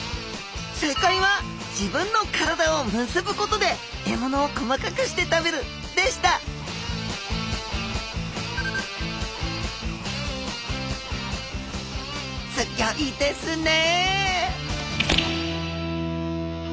正解は自分の体を結ぶことで獲物を細かくして食べるでしたすギョいですね